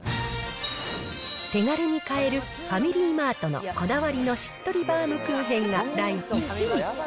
手軽に買えるファミリーマートのこだわりのしっとりバウムクーヘンが第１位。